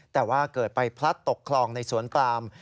แต่ว่าเกิดไปพลัดตกคลองในสวนปลาม